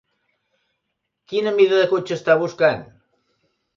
Quina mida de cotxe està buscant?